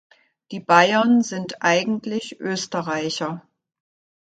Die Bayern sind eigentlich Österreicher.